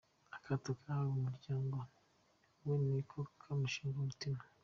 Akato yahawe mu muryango we ni ko kamushengura umutima.